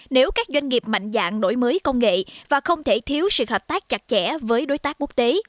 nếu các doanh nghiệp mạnh dạng đổi mới công nghệ và không thể thiếu sự hợp tác chặt chẽ với đối tác quốc tế